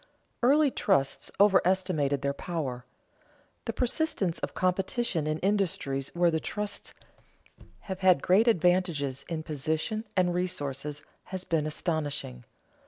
_ Early trusts overestimated their power. The persistence of competition in industries where the trusts have had great advantages in position and resources has been astonishing.